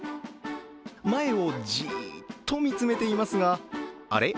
前をじーっと見つめていますがあれ？